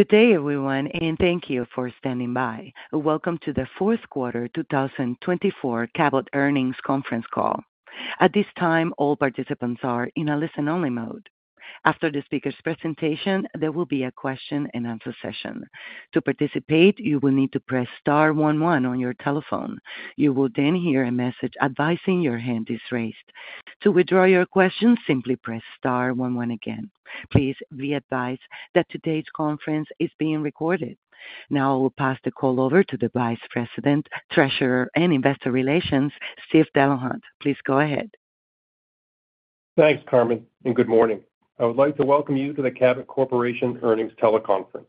Good day, everyone, and thank you for standing by. Welcome to the Fourth Quarter 2024 Cabot Earnings Conference Call. At this time, all participants are in a listen-only mode. After the speaker's presentation, there will be a question and answer session. To participate, you will need to press star one one on your telephone. You will then hear a message advising your hand is raised. To withdraw your question, simply press star one one again. Please be advised that today's conference is being recorded. Now I will pass the call over to the Vice President, Treasurer, and Investor Relations, Steve Delahunt. Please go ahead. Thanks, Carmen, and good morning. I would like to welcome you to the Cabot Corporation Earnings Teleconference.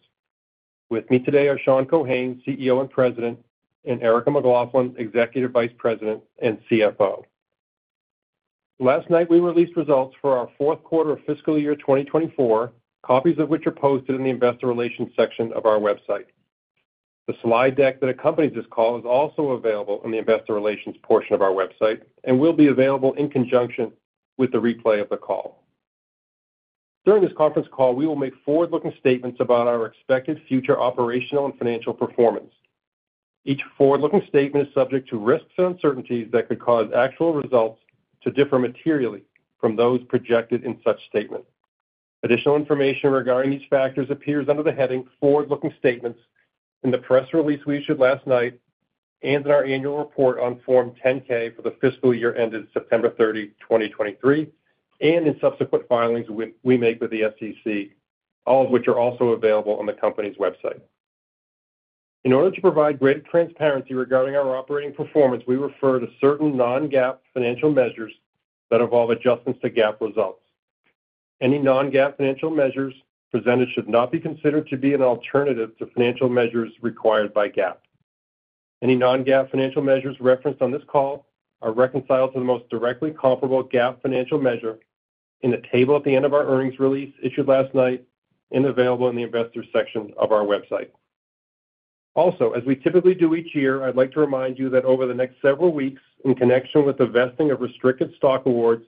With me today are Sean Keohane, CEO and President, and Erica McLaughlin, Executive Vice President and CFO. Last night, we released results for our fourth quarter of fiscal year 2024, copies of which are posted in the Investor Relations section of our website. The slide deck that accompanies this call is also available in the Investor Relations portion of our website and will be available in conjunction with the replay of the call. During this conference call, we will make forward-looking statements about our expected future operational and financial performance. Each forward-looking statement is subject to risks and uncertainties that could cause actual results to differ materially from those projected in such statement. Additional information regarding these factors appears under the heading "Forward-looking Statements" in the press release we issued last night and in our annual report on Form 10-K for the fiscal year ended September 30, 2023, and in subsequent filings we make with the SEC, all of which are also available on the company's website. In order to provide greater transparency regarding our operating performance, we refer to certain non-GAAP financial measures that involve adjustments to GAAP results. Any non-GAAP financial measures presented should not be considered to be an alternative to financial measures required by GAAP. Any non-GAAP financial measures referenced on this call are reconciled to the most directly comparable GAAP financial measure in the table at the end of our earnings release issued last night and available in the Investors section of our website. Also, as we typically do each year, I'd like to remind you that over the next several weeks, in connection with the vesting of restricted stock awards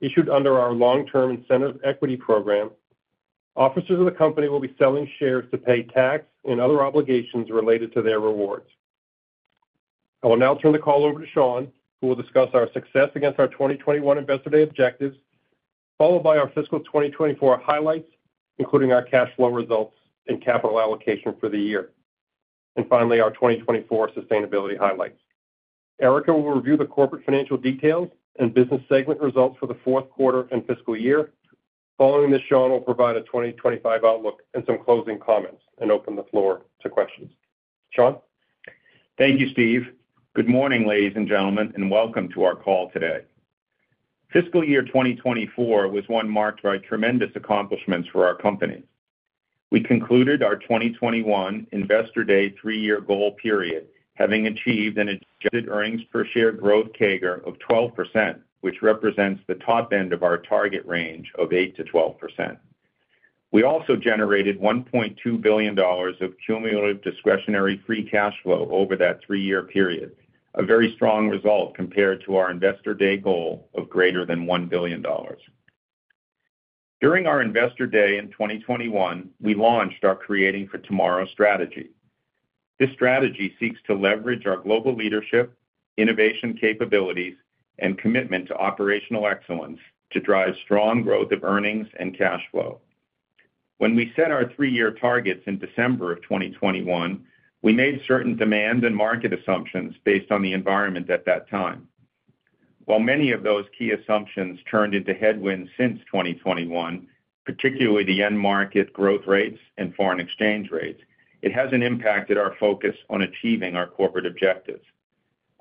issued under our long-term incentive equity program, officers of the company will be selling shares to pay tax and other obligations related to their rewards. I will now turn the call over to Sean, who will discuss our success against our 2021 Investor Day objectives, followed by our fiscal 2024 highlights, including our cash flow results and capital allocation for the year, and finally, our 2024 sustainability highlights. Erica will review the corporate financial details and business segment results for the fourth quarter and fiscal year. Following this, Sean will provide a 2025 outlook and some closing comments and open the floor to questions. Sean? Thank you, Steve. Good morning, ladies and gentlemen, and welcome to our call today. Fiscal year 2024 was one marked by tremendous accomplishments for our company. We concluded our 2021 Investor Day three-year goal period having achieved an adjusted earnings per share growth CAGR of 12%, which represents the top end of our target range of 8%-12%. We also generated $1.2 billion of cumulative discretionary free cash flow over that three-year period, a very strong result compared to our Investor Day goal of greater than $1 billion. During our Investor Day in 2021, we launched our Creating for Tomorrow strategy. This strategy seeks to leverage our global leadership, innovation capabilities, and commitment to operational excellence to drive strong growth of earnings and cash flow. When we set our three-year targets in December of 2021, we made certain demand and market assumptions based on the environment at that time. While many of those key assumptions turned into headwinds since 2021, particularly the end market growth rates and foreign exchange rates, it hasn't impacted our focus on achieving our corporate objectives.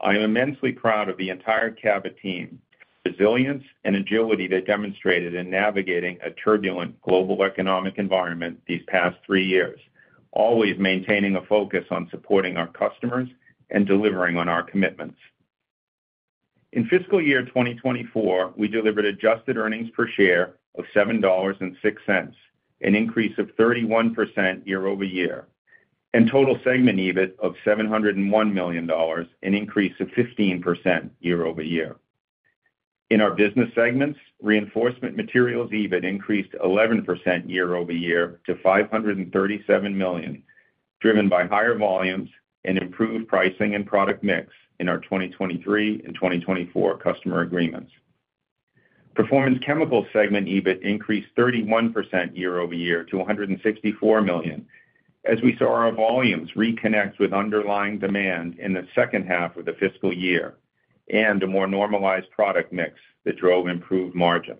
I am immensely proud of the entire Cabot team, resilience, and agility they demonstrated in navigating a turbulent global economic environment these past three years, always maintaining a focus on supporting our customers and delivering on our commitments. In fiscal year 2024, we delivered adjusted earnings per share of $7.06, an increase of 31% year-over-year, and total segment EBIT of $701 million, an increase of 15% year-over-year. In our business segments, reinforcement materials EBIT increased 11% year-over-year to $537 million, driven by higher volumes and improved pricing and product mix in our 2023 and 2024 customer agreements. Performance chemicals segment EBIT increased 31% year-over-year to $164 million, as we saw our volumes reconnect with underlying demand in the second half of the fiscal year and a more normalized product mix that drove improved margins.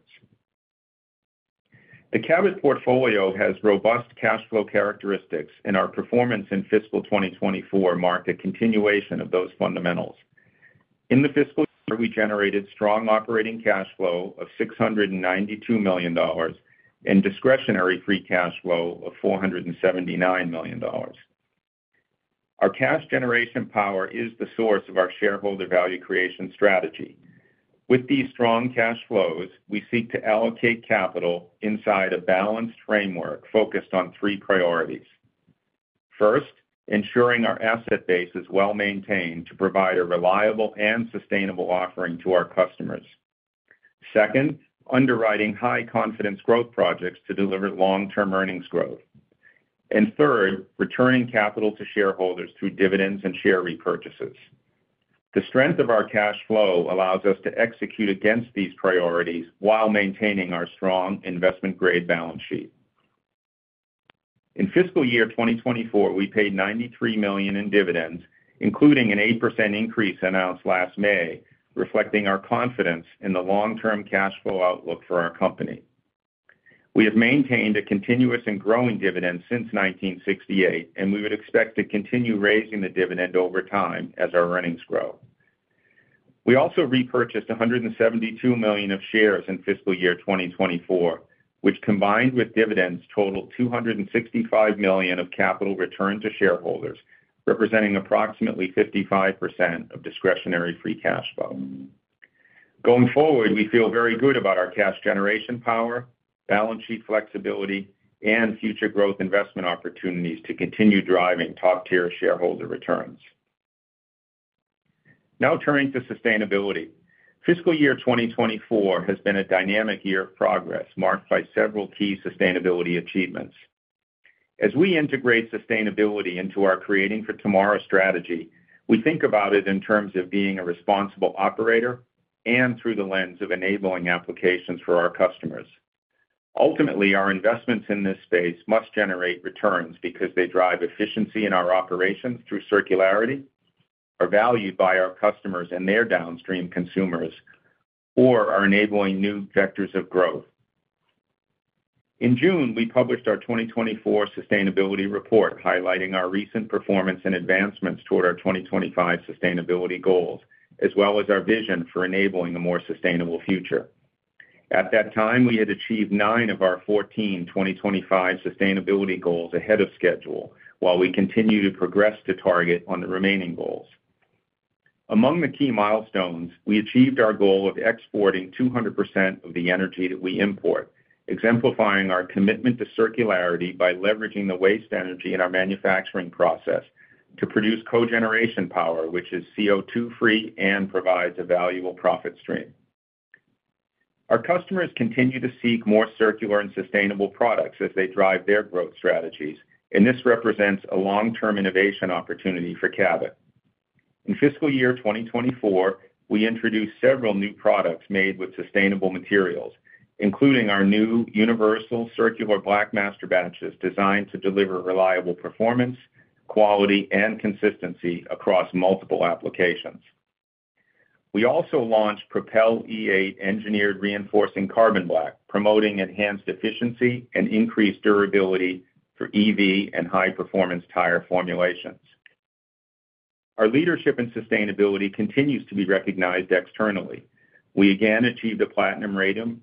The Cabot portfolio has robust cash flow characteristics, and our performance in fiscal 2024 marked a continuation of those fundamentals. In the fiscal year, we generated strong operating cash flow of $692 million and discretionary free cash flow of $479 million. Our cash generation power is the source of our shareholder value creation strategy. With these strong cash flows, we seek to allocate capital inside a balanced framework focused on three priorities. First, ensuring our asset base is well maintained to provide a reliable and sustainable offering to our customers. Second, underwriting high-confidence growth projects to deliver long-term earnings growth. And third, returning capital to shareholders through dividends and share repurchases. The strength of our cash flow allows us to execute against these priorities while maintaining our strong investment-grade balance sheet. In fiscal year 2024, we paid $93 million in dividends, including an 8% increase announced last May, reflecting our confidence in the long-term cash flow outlook for our company. We have maintained a continuous and growing dividend since 1968, and we would expect to continue raising the dividend over time as our earnings grow. We also repurchased $172 million of shares in fiscal year 2024, which combined with dividends totaled $265 million of capital returned to shareholders, representing approximately 55% of discretionary free cash flow. Going forward, we feel very good about our cash generation power, balance sheet flexibility, and future growth investment opportunities to continue driving top-tier shareholder returns. Now turning to sustainability, fiscal year 2024 has been a dynamic year of progress marked by several key sustainability achievements. As we integrate sustainability into our Creating for Tomorrow strategy, we think about it in terms of being a responsible operator and through the lens of enabling applications for our customers. Ultimately, our investments in this space must generate returns because they drive efficiency in our operations through circularity, are valued by our customers and their downstream consumers, or are enabling new vectors of growth. In June, we published our 2024 sustainability report highlighting our recent performance and advancements toward our 2025 sustainability goals, as well as our vision for enabling a more sustainable future. At that time, we had achieved nine of our 14 2025 sustainability goals ahead of schedule, while we continue to progress to target on the remaining goals. Among the key milestones, we achieved our goal of exporting 200% of the energy that we import, exemplifying our commitment to circularity by leveraging the waste energy in our manufacturing process to produce cogeneration power, which is CO2-free and provides a valuable profit stream. Our customers continue to seek more circular and sustainable products as they drive their growth strategies, and this represents a long-term innovation opportunity for Cabot. In fiscal year 2024, we introduced several new products made with sustainable materials, including our new universal circular black masterbatches designed to deliver reliable performance, quality, and consistency across multiple applications. We also launched PROPEL E8 engineered reinforcing carbon black, promoting enhanced efficiency and increased durability for EV and high-performance tire formulations. Our leadership in sustainability continues to be recognized externally. We again achieved a platinum rating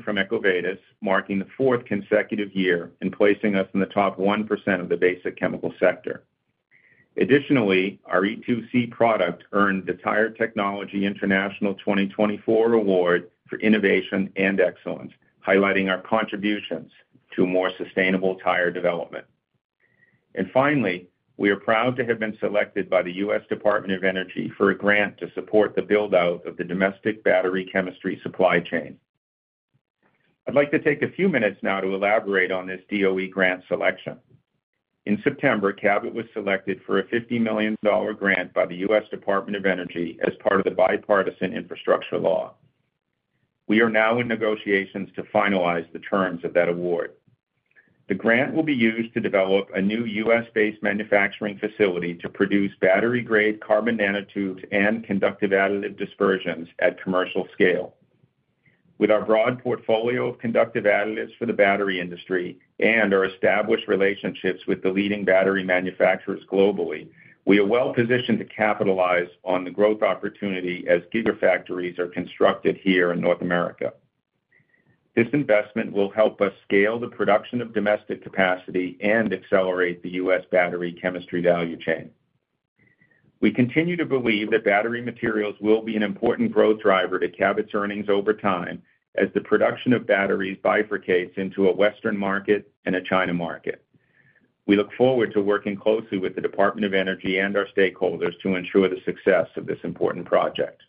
from EcoVadis, marking the fourth consecutive year and placing us in the top 1% of the basic chemical sector. Additionally, our E2C product earned the Tire Technology International 2024 Award for Innovation and Excellence, highlighting our contributions to more sustainable tire development, and finally, we are proud to have been selected by the U.S. Department of Energy for a grant to support the buildout of the domestic battery chemistry supply chain. I'd like to take a few minutes now to elaborate on this DOE grant selection. In September, Cabot was selected for a $50 million grant by the U.S. Department of Energy as part of the Bipartisan Infrastructure Law. We are now in negotiations to finalize the terms of that award. The grant will be used to develop a new U.S.-based manufacturing facility to produce battery-grade carbon nanotubes and conductive additive dispersions at commercial scale. With our broad portfolio of conductive additives for the battery industry and our established relationships with the leading battery manufacturers globally, we are well positioned to capitalize on the growth opportunity as Gigafactories are constructed here in North America. This investment will help us scale the production of domestic capacity and accelerate the U.S. battery chemistry value chain. We continue to believe that battery materials will be an important growth driver to Cabot's earnings over time as the production of batteries bifurcates into a Western market and a China market. We look forward to working closely with the Department of Energy and our stakeholders to ensure the success of this important project.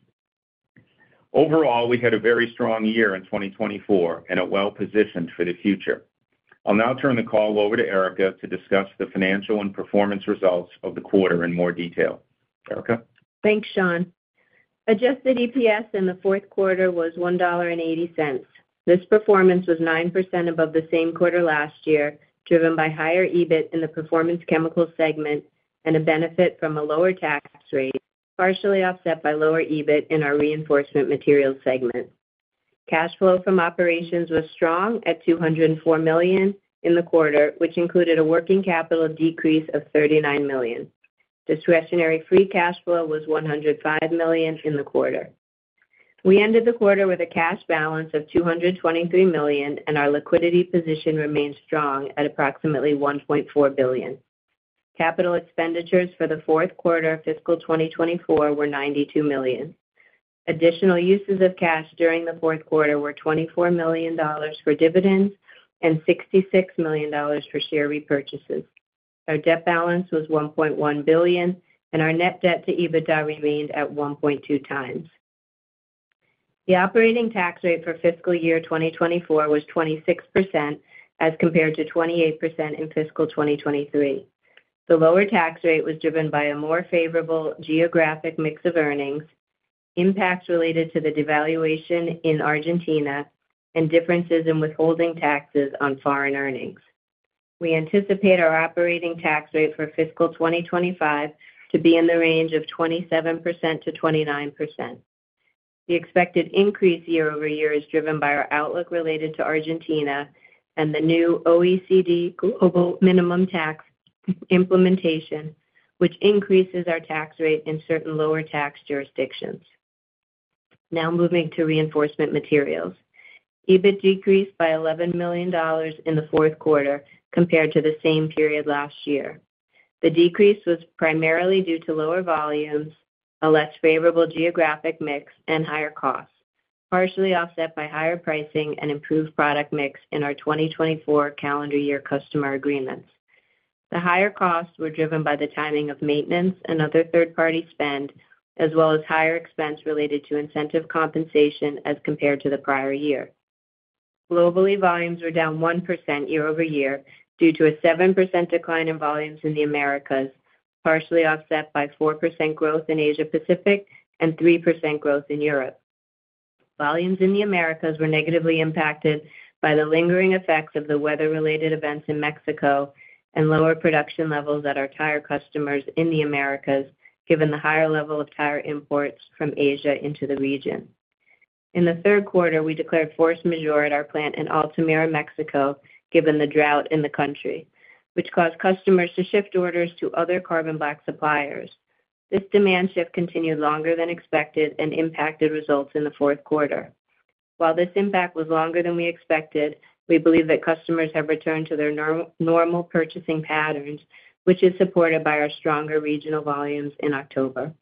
Overall, we had a very strong year in 2024 and are well positioned for the future. I'll now turn the call over to Erica to discuss the financial and performance results of the quarter in more detail. Erica? Thanks, Sean. Adjusted EPS in the fourth quarter was $1.80. This performance was 9% above the same quarter last year, driven by higher EBIT in the performance chemicals segment and a benefit from a lower tax rate, partially offset by lower EBIT in our reinforcement materials segment. Cash flow from operations was strong at $204 million in the quarter, which included a working capital decrease of $39 million. Discretionary free cash flow was $105 million in the quarter. We ended the quarter with a cash balance of $223 million, and our liquidity position remained strong at approximately $1.4 billion. Capital expenditures for the fourth quarter of fiscal 2024 were $92 million. Additional uses of cash during the fourth quarter were $24 million for dividends and $66 million for share repurchases. Our debt balance was $1.1 billion, and our net debt to EBITDA remained at 1.2x. The operating tax rate for fiscal year 2024 was 26% as compared to 28% in fiscal 2023. The lower tax rate was driven by a more favorable geographic mix of earnings, impacts related to the devaluation in Argentina, and differences in withholding taxes on foreign earnings. We anticipate our operating tax rate for fiscal 2025 to be in the range of 27%-29%. The expected increase year-over-year is driven by our outlook related to Argentina and the new OECD global minimum tax implementation, which increases our tax rate in certain lower tax jurisdictions. Now moving to reinforcement materials. EBIT decreased by $11 million in the fourth quarter compared to the same period last year. The decrease was primarily due to lower volumes, a less favorable geographic mix, and higher costs, partially offset by higher pricing and improved product mix in our 2024 calendar year customer agreements. The higher costs were driven by the timing of maintenance and other third-party spend, as well as higher expense related to incentive compensation as compared to the prior year. Globally, volumes were down 1% year-over-year due to a 7% decline in volumes in the Americas, partially offset by 4% growth in Asia-Pacific and 3% growth in Europe. Volumes in the Americas were negatively impacted by the lingering effects of the weather-related events in Mexico and lower production levels at our tire customers in the Americas, given the higher level of tire imports from Asia into the region. In the third quarter, we declared force majeure at our plant in Altamira, Mexico, given the drought in the country, which caused customers to shift orders to other carbon black suppliers. This demand shift continued longer than expected and impacted results in the fourth quarter. While this impact was longer than we expected, we believe that customers have returned to their normal purchasing patterns, which is supported by our stronger regional volumes in October.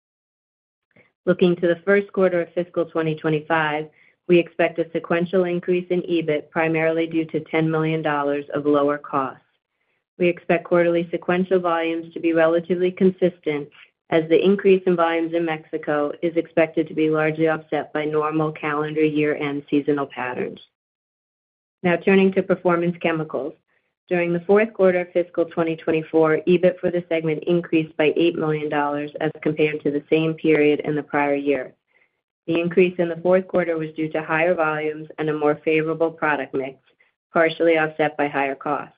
Looking to the first quarter of fiscal 2025, we expect a sequential increase in EBIT, primarily due to $10 million of lower costs. We expect quarterly sequential volumes to be relatively consistent, as the increase in volumes in Mexico is expected to be largely offset by normal calendar year and seasonal patterns. Now turning to performance chemicals. During the fourth quarter of fiscal 2024, EBIT for the segment increased by $8 million as compared to the same period in the prior year. The increase in the fourth quarter was due to higher volumes and a more favorable product mix, partially offset by higher costs.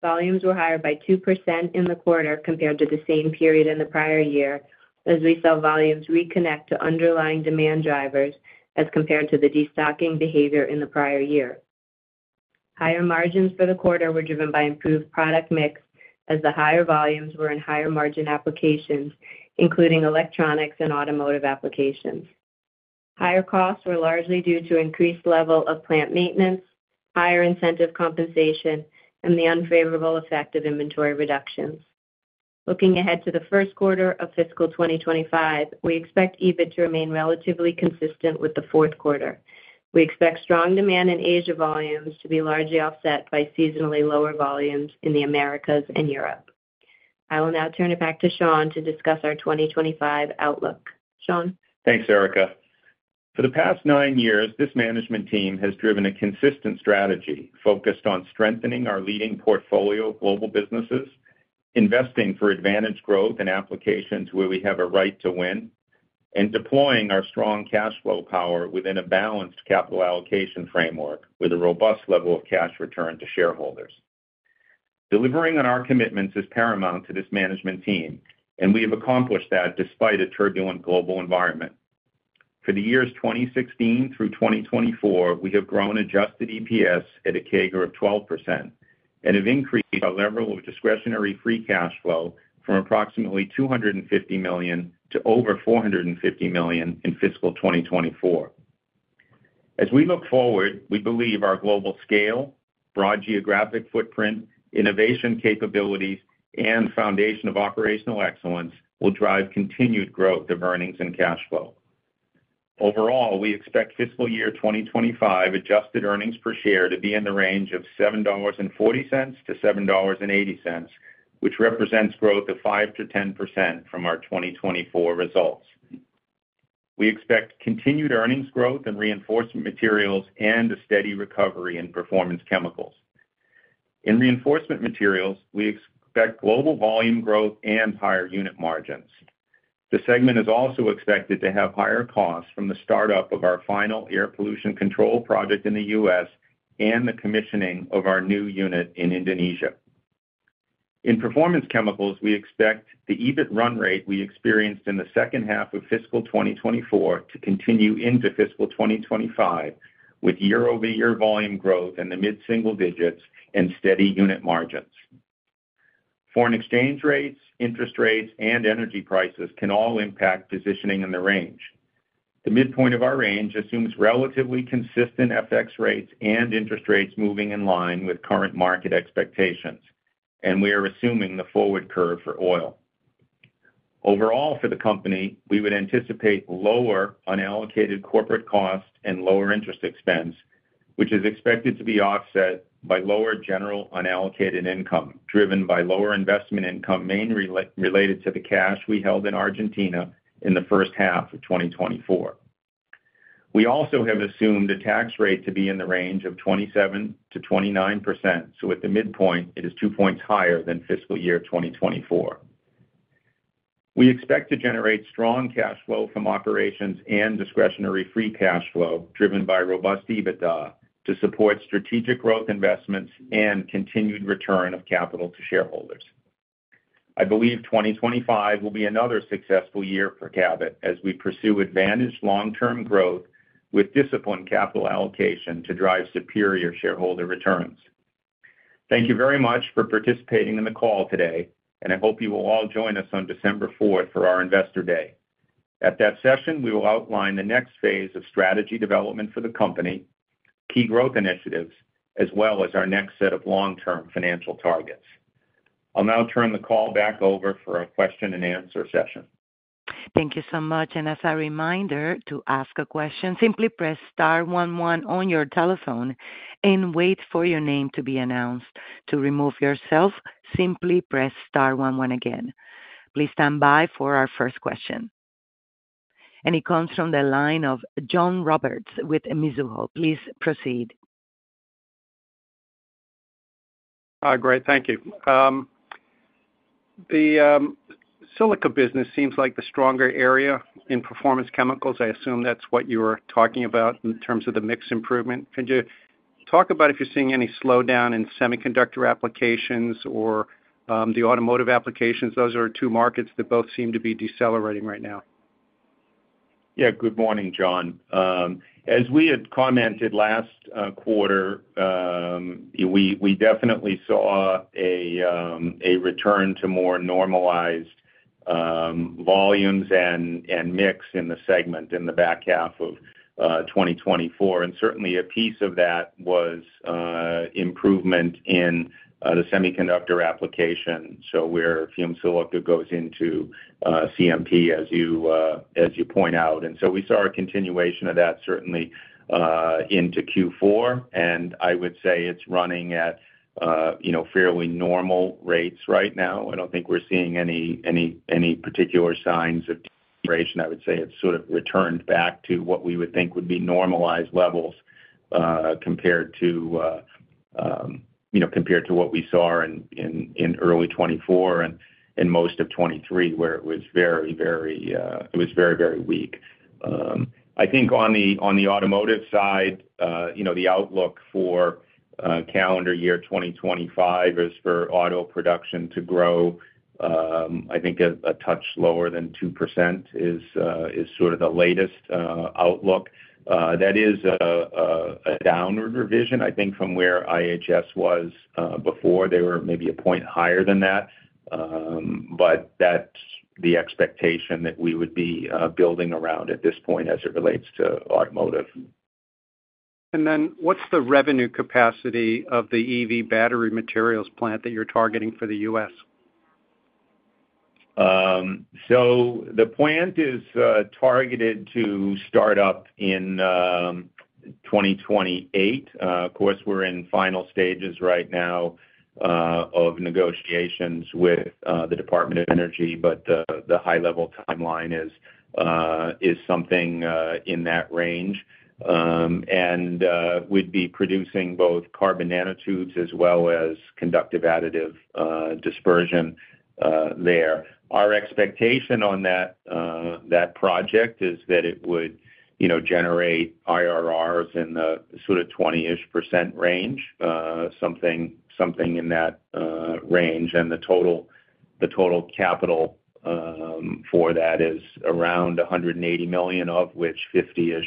Volumes were higher by 2% in the quarter compared to the same period in the prior year, as we saw volumes reconnect to underlying demand drivers as compared to the destocking behavior in the prior year. Higher margins for the quarter were driven by improved product mix, as the higher volumes were in higher margin applications, including electronics and automotive applications. Higher costs were largely due to increased level of plant maintenance, higher incentive compensation, and the unfavorable effect of inventory reductions. Looking ahead to the first quarter of fiscal 2025, we expect EBIT to remain relatively consistent with the fourth quarter. We expect strong demand in Asia volumes to be largely offset by seasonally lower volumes in the Americas and Europe. I will now turn it back to Sean to discuss our 2025 outlook. Sean? Thanks, Erica. For the past nine years, this management team has driven a consistent strategy focused on strengthening our leading portfolio of global businesses, investing for advantage growth and applications where we have a right to win, and deploying our strong cash flow power within a balanced capital allocation framework with a robust level of cash return to shareholders. Delivering on our commitments is paramount to this management team, and we have accomplished that despite a turbulent global environment. For the years 2016 through 2024, we have grown Adjusted EPS at a CAGR of 12% and have increased our level of discretionary free cash flow from approximately $250 million to over $450 million in fiscal 2024. As we look forward, we believe our global scale, broad geographic footprint, innovation capabilities, and foundation of operational excellence will drive continued growth of earnings and cash flow. Overall, we expect fiscal year 2025 adjusted earnings per share to be in the range of $7.40-$7.80, which represents growth of 5%-10% from our 2024 results. We expect continued earnings growth in reinforcement materials and a steady recovery in performance chemicals. In reinforcement materials, we expect global volume growth and higher unit margins. The segment is also expected to have higher costs from the startup of our final air pollution control project in the U.S. and the commissioning of our new unit in Indonesia. In performance chemicals, we expect the EBIT run rate we experienced in the second half of fiscal 2024 to continue into fiscal 2025, with year-over-year volume growth in the mid-single digits and steady unit margins. Foreign exchange rates, interest rates, and energy prices can all impact positioning in the range. The midpoint of our range assumes relatively consistent FX rates and interest rates moving in line with current market expectations, and we are assuming the forward curve for oil. Overall, for the company, we would anticipate lower unallocated corporate costs and lower interest expense, which is expected to be offset by lower general unallocated income driven by lower investment income mainly related to the cash we held in Argentina in the first half of 2024. We also have assumed a tax rate to be in the range of 27%-29%, so at the midpoint, it is two points higher than fiscal year 2024. We expect to generate strong cash flow from operations and discretionary free cash flow driven by robust EBITDA to support strategic growth investments and continued return of capital to shareholders. I believe 2025 will be another successful year for Cabot as we pursue advantage long-term growth with disciplined capital allocation to drive superior shareholder returns. Thank you very much for participating in the call today, and I hope you will all join us on December 4th for our Investor Day. At that session, we will outline the next phase of strategy development for the company, key growth initiatives, as well as our next set of long-term financial targets. I'll now turn the call back over for a question and answer session. Thank you so much. And as a reminder to ask a question, simply press star one one on your telephone and wait for your name to be announced. To remove yourself, simply press star one one again. Please stand by for our first question. And it comes from the line of John Roberts with Mizuho. Please proceed. Hi, great. Thank you. The silica business seems like the stronger area in performance chemicals. I assume that's what you were talking about in terms of the mix improvement. Can you talk about if you're seeing any slowdown in semiconductor applications or the automotive applications? Those are two markets that both seem to be decelerating right now. Yeah, good morning, John. As we had commented last quarter, we definitely saw a return to more normalized volumes and mix in the segment in the back half of 2024, and certainly, a piece of that was improvement in the semiconductor application, so where fumed silica goes into CMP, as you point out, and so we saw a continuation of that certainly into Q4, and I would say it's running at fairly normal rates right now. I don't think we're seeing any particular signs of deceleration. I would say it's sort of returned back to what we would think would be normalized levels compared to what we saw in early 2024 and most of 2023, where it was very, very weak. I think on the automotive side, the outlook for calendar year 2025 is for auto production to grow. I think a touch lower than 2% is sort of the latest outlook. That is a downward revision, I think, from where IHS was before. They were maybe a point higher than that, but that's the expectation that we would be building around at this point as it relates to automotive. What's the revenue capacity of the EV battery materials plant that you're targeting for the U.S.? The plant is targeted to start up in 2028. Of course, we're in final stages right now of negotiations with the Department of Energy, but the high-level timeline is something in that range. And we'd be producing both carbon nanotubes as well as conductive additive dispersion there. Our expectation on that project is that it would generate IRRs in the sort of 20-ish% range, something in that range. And the total capital for that is around $180 million, of which $50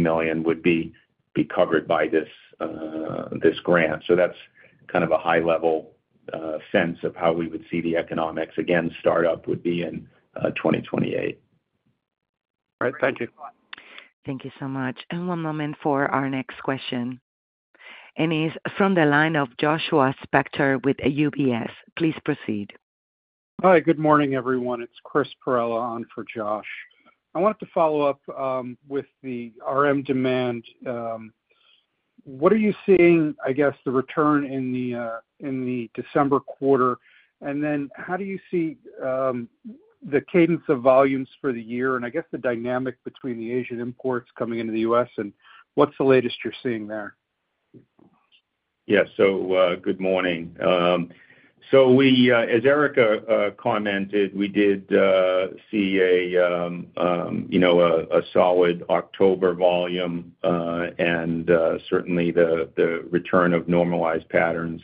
million would be covered by this grant. So that's kind of a high-level sense of how we would see the economics, again, start up would be in 2028. All right. Thank you. Thank you so much, and one moment for our next question. It is from the line of Joshua Spector with UBS. Please proceed. Hi, good morning, everyone. It's Chris Perrella on for Josh. I wanted to follow up with the RM demand. What are you seeing, I guess, the return in the December quarter? And then how do you see the cadence of volumes for the year and, I guess, the dynamic between the Asian imports coming into the U.S., and what's the latest you're seeing there? Yeah, so good morning. So as Erica commented, we did see a solid October volume and certainly the return of normalized patterns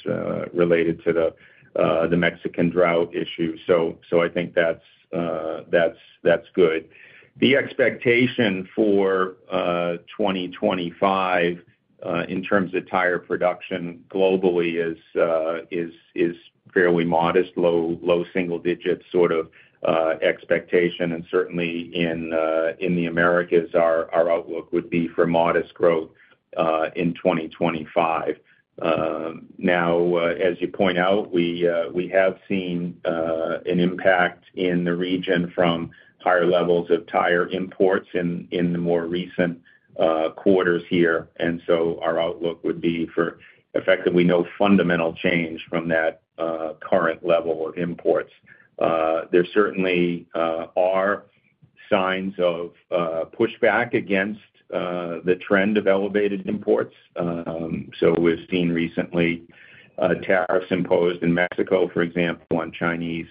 related to the Mexican drought issue. So I think that's good. The expectation for 2025 in terms of tire production globally is fairly modest, low single-digit sort of expectation. And certainly, in the Americas, our outlook would be for modest growth in 2025. Now, as you point out, we have seen an impact in the region from higher levels of tire imports in the more recent quarters here. And so our outlook would be for effectively no fundamental change from that current level of imports. There certainly are signs of pushback against the trend of elevated imports. So we've seen recently tariffs imposed in Mexico, for example, on Chinese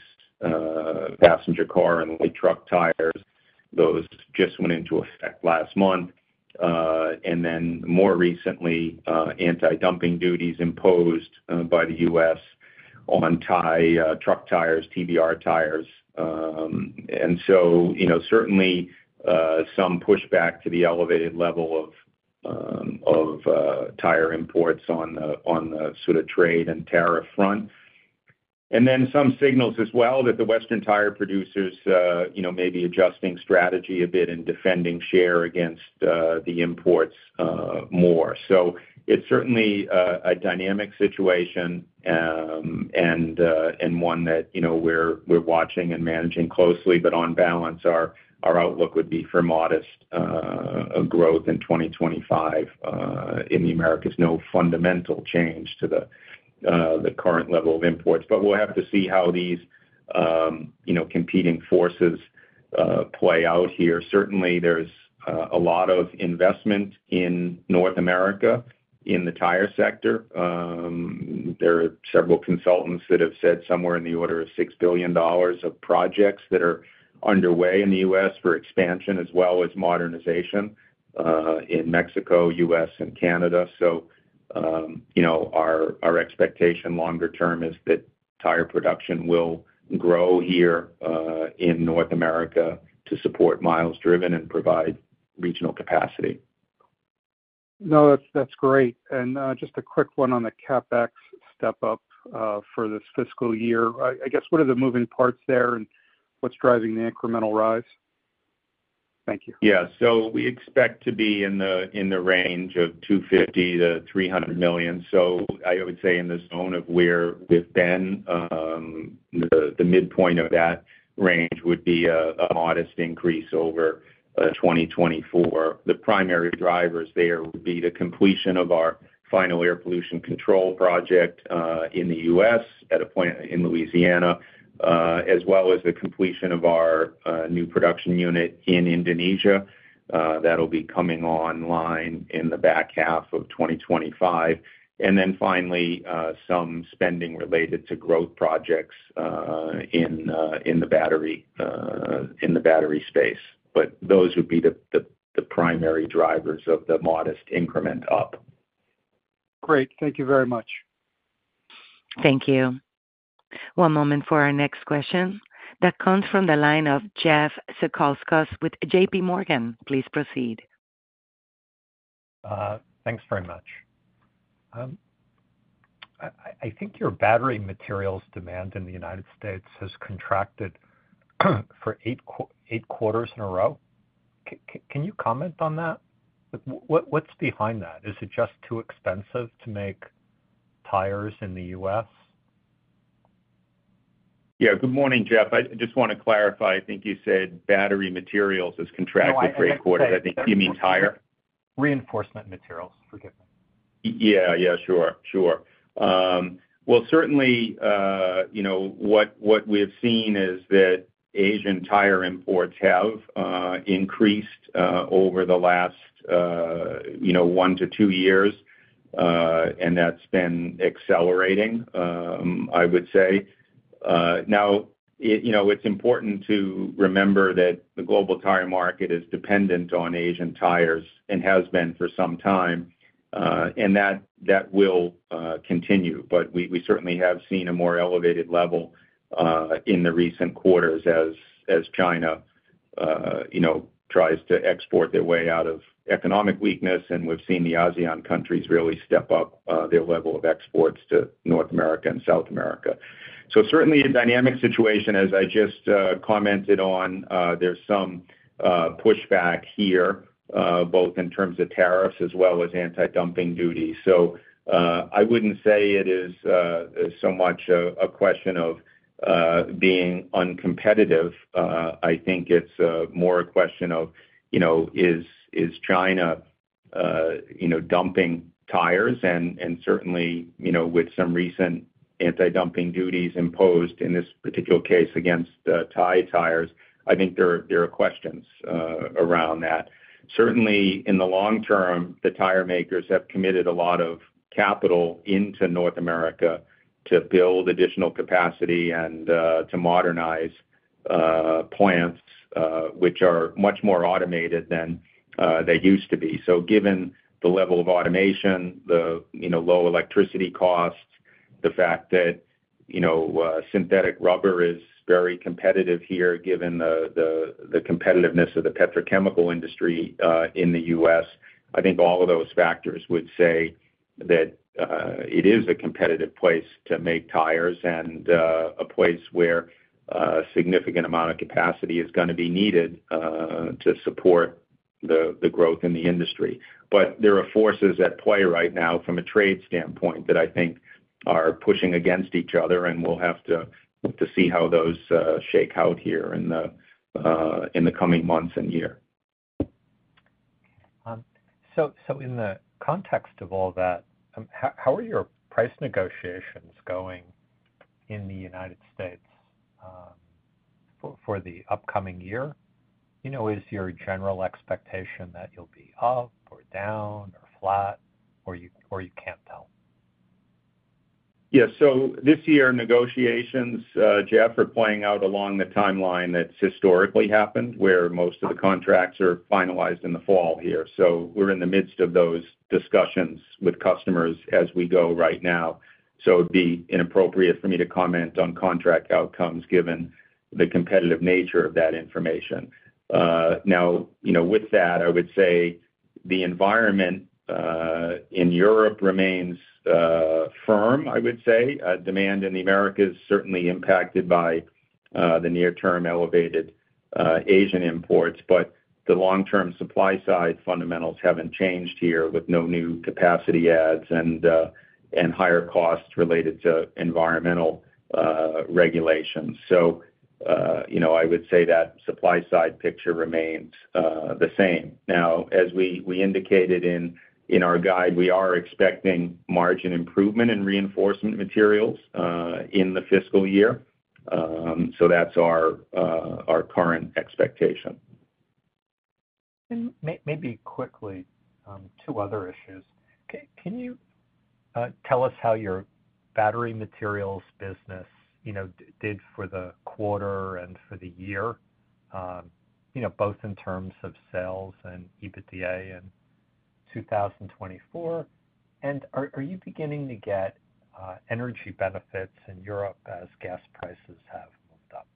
passenger car and light truck tires. Those just went into effect last month. And then more recently, anti-dumping duties imposed by the U.S. on Chinese truck tires, TBR tires. And so certainly some pushback to the elevated level of tire imports on the sort of trade and tariff front. And then some signals as well that the Western tire producers may be adjusting strategy a bit and defending share against the imports more. So it's certainly a dynamic situation and one that we're watching and managing closely. But on balance, our outlook would be for modest growth in 2025 in the Americas. No fundamental change to the current level of imports. But we'll have to see how these competing forces play out here. Certainly, there's a lot of investment in North America in the tire sector. There are several consultants that have said somewhere in the order of $6 billion of projects that are underway in the U.S. For expansion as well as modernization in Mexico, U.S., and Canada. So our expectation longer term is that tire production will grow here in North America to support miles driven and provide regional capacity. No, that's great. And just a quick one on the CapEx step-up for this fiscal year. I guess, what are the moving parts there and what's driving the incremental rise? Thank you. Yeah. So we expect to be in the range of $250 million-$300 million. So I would say in the zone of where we've been. The midpoint of that range would be a modest increase over 2024. The primary drivers there would be the completion of our final air pollution control project in the U.S. at our plant in Louisiana, as well as the completion of our new production unit in Indonesia. That'll be coming online in the back half of 2025. And then finally, some spending related to growth projects in the battery space. But those would be the primary drivers of the modest increment up. Great. Thank you very much. Thank you. One moment for our next question that comes from the line of Jeff Zekauskas with JPMorgan. Please proceed. Thanks very much. I think your battery materials demand in the United States has contracted for eight quarters in a row. Can you comment on that? What's behind that? Is it just too expensive to make tires in the U.S.? Yeah. Good morning, Jeff. I just want to clarify. I think you said battery materials has contracted for eight quarters. I think you mean tire? Reinforcement materials. Forgive me. Yeah. Yeah, sure. Sure. Well, certainly, what we have seen is that Asian tire imports have increased over the last one to two years, and that's been accelerating, I would say. Now, it's important to remember that the global tire market is dependent on Asian tires and has been for some time, and that will continue. But we certainly have seen a more elevated level in the recent quarters as China tries to export their way out of economic weakness, and we've seen the ASEAN countries really step up their level of exports to North America and South America. So certainly, a dynamic situation, as I just commented on. There's some pushback here, both in terms of tariffs as well as anti-dumping duties. So I wouldn't say it is so much a question of being uncompetitive. I think it's more a question of, is China dumping tires? And certainly, with some recent anti-dumping duties imposed, in this particular case, against Thai tires, I think there are questions around that. Certainly, in the long term, the tire makers have committed a lot of capital into North America to build additional capacity and to modernize plants, which are much more automated than they used to be. So given the level of automation, the low electricity costs, the fact that synthetic rubber is very competitive here, given the competitiveness of the petrochemical industry in the U.S., I think all of those factors would say that it is a competitive place to make tires and a place where a significant amount of capacity is going to be needed to support the growth in the industry. But there are forces at play right now from a trade standpoint that I think are pushing against each other, and we'll have to see how those shake out here in the coming months and year. So in the context of all that, how are your price negotiations going in the United States for the upcoming year? Is your general expectation that you'll be up or down or flat, or you can't tell? Yeah. So this year, negotiations, Jeff, are playing out along the timeline that's historically happened, where most of the contracts are finalized in the fall here. So we're in the midst of those discussions with customers as we go right now. So it would be inappropriate for me to comment on contract outcomes given the competitive nature of that information. Now, with that, I would say the environment in Europe remains firm, I would say. Demand in the Americas is certainly impacted by the near-term elevated Asian imports. But the long-term supply-side fundamentals haven't changed here with no new capacity adds and higher costs related to environmental regulations. So I would say that supply-side picture remains the same. Now, as we indicated in our guide, we are expecting margin improvement in reinforcement materials in the fiscal year. So that's our current expectation. Maybe quickly, two other issues. Can you tell us how your battery materials business did for the quarter and for the year, both in terms of sales and EBITDA in 2024? And are you beginning to get energy benefits in Europe as gas prices have moved up?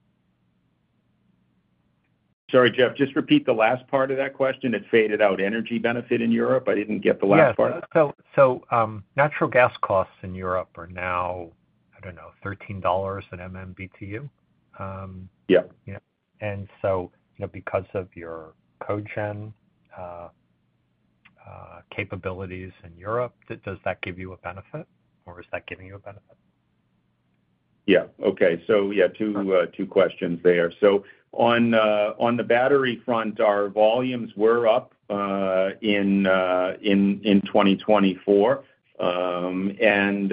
Sorry, Jeff, just repeat the last part of that question. It faded out. Energy benefit in Europe? I didn't get the last part. Yeah. So natural gas costs in Europe are now, I don't know, $13 an MMBTU. Yeah. Because of your cogen capabilities in Europe, does that give you a benefit, or is that giving you a benefit? Yeah. Okay. So yeah, two questions there. So on the battery front, our volumes were up in 2024. And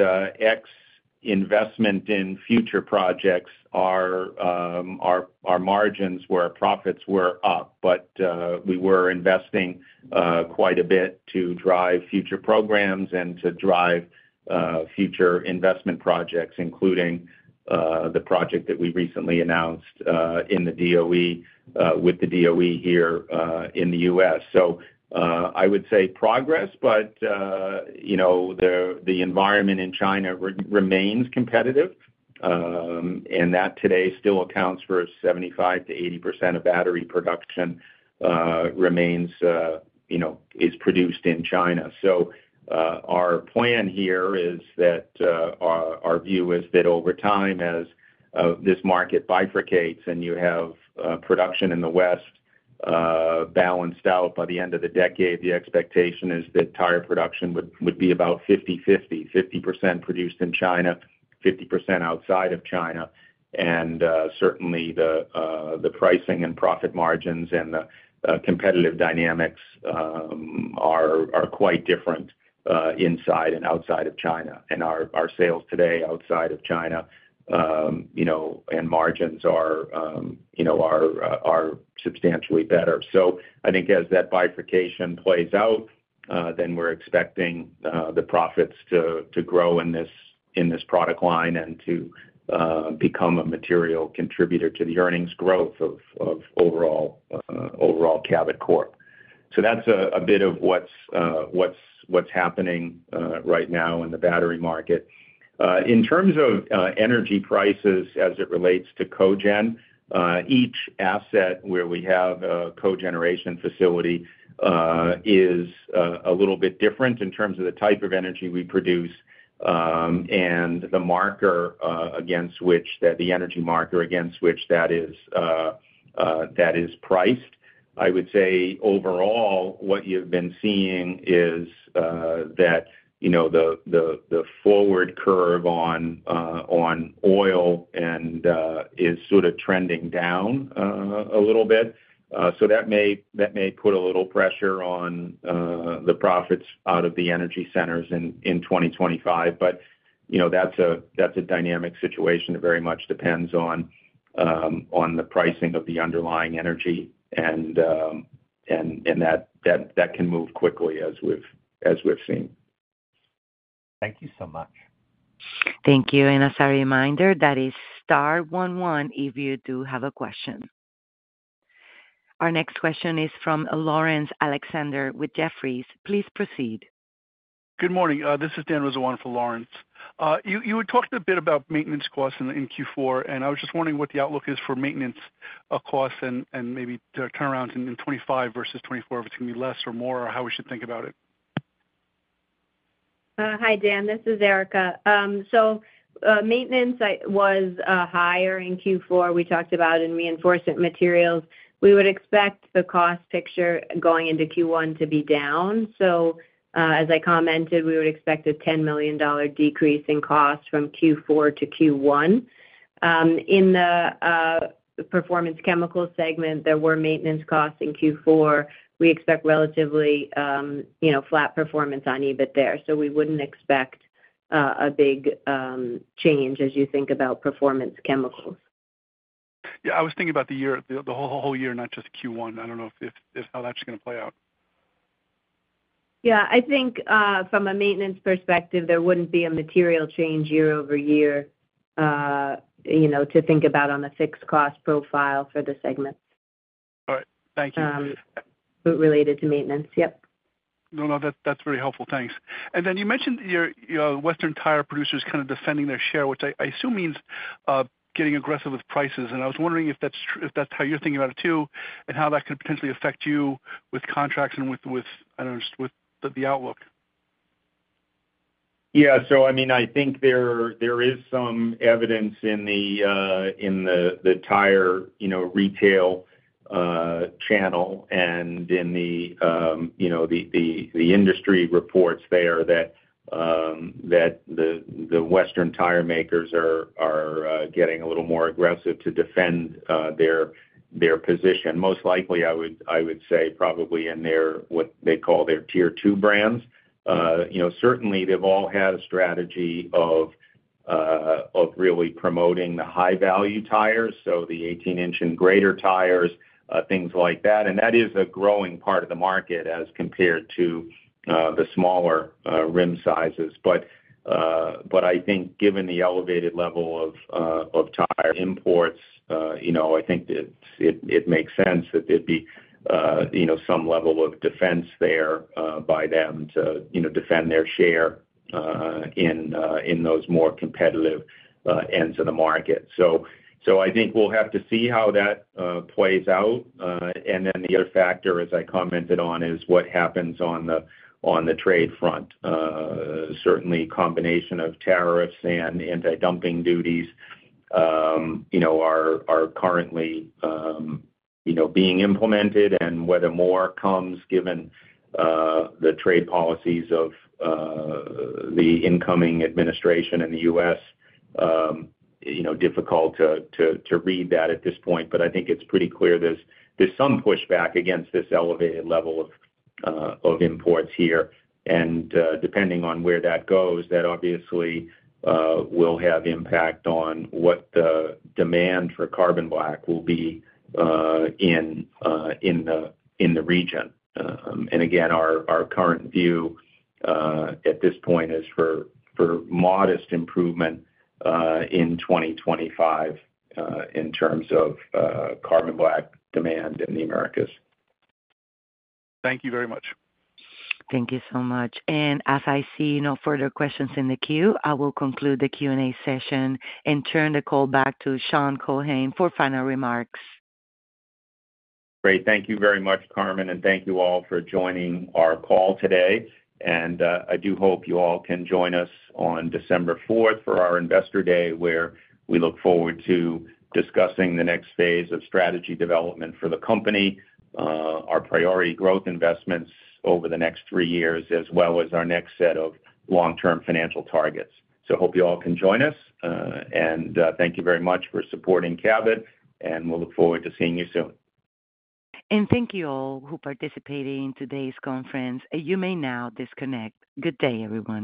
ex-investment in future projects, our margins were profits were up. But we were investing quite a bit to drive future programs and to drive future investment projects, including the project that we recently announced in the DOE with the DOE here in the U.S. So I would say progress, but the environment in China remains competitive. And that today still accounts for 75%-80% of battery production is produced in China. So our plan here is that our view is that over time, as this market bifurcates and you have production in the West balanced out by the end of the decade, the expectation is that tire production would be about 50/50, 50% produced in China, 50% outside of China. Certainly, the pricing and profit margins and the competitive dynamics are quite different inside and outside of China. Our sales today outside of China and margins are substantially better. I think as that bifurcation plays out, then we're expecting the profits to grow in this product line and to become a material contributor to the earnings growth of overall Cabot Corp. That's a bit of what's happening right now in the battery market. In terms of energy prices as it relates to cogen, each asset where we have a cogeneration facility is a little bit different in terms of the type of energy we produce and the market against which that energy is priced. I would say overall, what you've been seeing is that the forward curve on oil is sort of trending down a little bit. So that may put a little pressure on the profits out of the energy centers in 2025. But that's a dynamic situation that very much depends on the pricing of the underlying energy. And that can move quickly, as we've seen. Thank you so much. Thank you. And as a reminder, that is Star one one if you do have a question. Our next question is from Laurence Alexander with Jefferies. Please proceed. Good morning. This is Dan Rizzo for Laurence. You were talking a bit about maintenance costs in Q4, and I was just wondering what the outlook is for maintenance costs and maybe turnarounds in 2025 versus 2024, if it's going to be less or more, or how we should think about it? Hi, Dan. This is Erica. So maintenance was higher in Q4. We talked about in reinforcement materials. We would expect the cost picture going into Q1 to be down. So as I commented, we would expect a $10 million decrease in cost from Q4 to Q1. In the performance chemicals segment, there were maintenance costs in Q4. We expect relatively flat performance on EBIT there. So we wouldn't expect a big change as you think about performance chemicals. Yeah. I was thinking about the whole year, not just Q1. I don't know how that's going to play out. Yeah. I think from a maintenance perspective, there wouldn't be a material change year-over-year to think about on the fixed cost profile for the segment. All right. Thank you. Related to maintenance. Yep. No, no. That's very helpful. Thanks. And then you mentioned Western Tire Producers kind of defending their share, which I assume means getting aggressive with prices. And I was wondering if that's how you're thinking about it too and how that could potentially affect you with contracts and with, I don't know, just with the outlook. Yeah. So I mean, I think there is some evidence in the tire retail channel and in the industry reports there that the Western tire makers are getting a little more aggressive to defend their position. Most likely, I would say probably in what they call their tier two brands. Certainly, they've all had a strategy of really promoting the high-value tires, so the 18-inch and greater tires, things like that. And that is a growing part of the market as compared to the smaller rim sizes. But I think given the elevated level of tire imports, I think it makes sense that there'd be some level of defense there by them to defend their share in those more competitive ends of the market. So I think we'll have to see how that plays out. Then the other factor, as I commented on, is what happens on the trade front. Certainly, a combination of tariffs and anti-dumping duties are currently being implemented. Whether more comes, given the trade policies of the incoming administration in the U.S., it's difficult to read that at this point. I think it's pretty clear there's some pushback against this elevated level of imports here. Depending on where that goes, that obviously will have an impact on what the demand for carbon black will be in the region. Again, our current view at this point is for modest improvement in 2025 in terms of carbon black demand in the Americas. Thank you very much. Thank you so much. And as I see no further questions in the queue, I will conclude the Q&A session and turn the call back to Sean Keohane for final remarks. Great. Thank you very much, Carmen. And thank you all for joining our call today. And I do hope you all can join us on December 4th for our Investor Day, where we look forward to discussing the next phase of strategy development for the company, our priority growth investments over the next three years, as well as our next set of long-term financial targets. So I hope you all can join us. And thank you very much for supporting Cabot. And we'll look forward to seeing you soon. Thank you all who participated in today's conference. You may now disconnect. Good day, everyone.